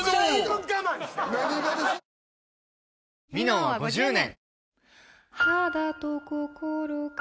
「ミノン」は５０年！